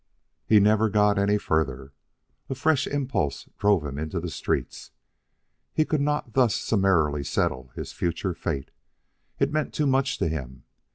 He never got any further. A fresh impulse drove him into the street. He could not thus summarily settle his future fate. It meant too much to him.